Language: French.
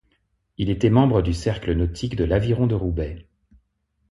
Il était membre du Cercle nautique de l'Aviron de Roubaix.